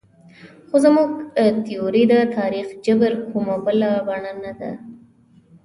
خو زموږ تیوري د تاریخ جبر کومه بله بڼه نه ده.